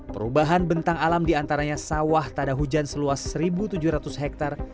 perubahan bentang alam diantaranya sawah tada hujan seluas satu tujuh ratus hektare